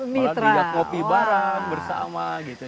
mereka ngopi barang bersama